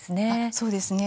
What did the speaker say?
そうですね。